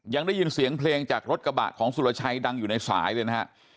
ยังได้ยินเสียงเพลงจากรถกระบะของสุรชัยดังอยู่ในสายเลยนะฮะ